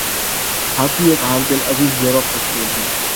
hockey ایک ہردلعزیز Europe کا کھیل ہے